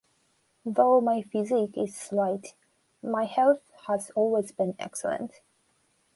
Though my physique is slight, my health has always been excellent.